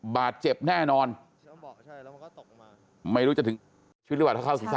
บาดเจ็บแน่นอนไม่รู้จะถึงชีวิตหรือเปล่าถ้าเข้าศีรษะ